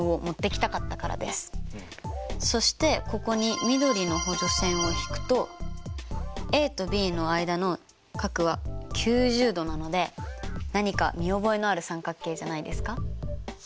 そしてここに緑の補助線を引くとａとｂの間の角は９０度なので何か見覚えのある三角形じゃないですか？